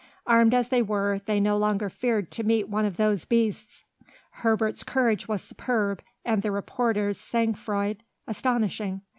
Armed as they were, they no longer feared to meet one of those beasts. Herbert's courage was superb, and the reporter's sang froid astonishing.